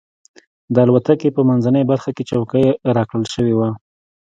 د الوتکې په منځۍ برخه کې چوکۍ راکړل شوې وه.